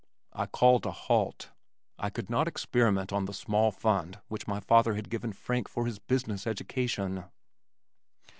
I called a halt. I could not experiment on the small fund which my father had given Frank for his business education.